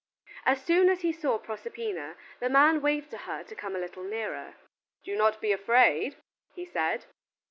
As soon as he saw Proserpina, the man waved to her to come a little nearer. "Do not be afraid," he said.